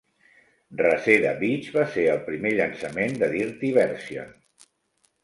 "Reseda Beach" va ser el primer llançament de Dirty Version.